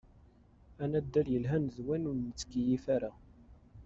Anaddal yelhan d win ur nettkeyyif ara.